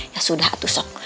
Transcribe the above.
ya sudah atuh sok